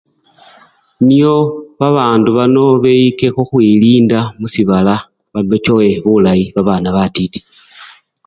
Nyo babandu bano beyike khukhwilinda musibala ba! bachowe bulayi babana batiti.